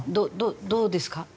どうですか？